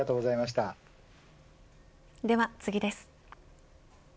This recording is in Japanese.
では次です。